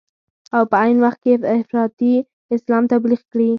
او په عین وخت کې افراطي اسلام تبلیغ کړي.